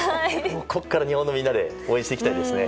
ここから日本のみんなで応援していきたいですね。